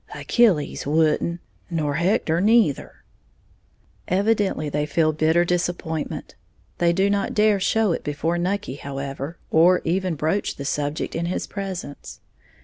"Achilles wouldn't," "Nor Hector, neither." Evidently they feel bitter disappointment. They do not dare show it before Nucky, however, or even broach the subject in his presence.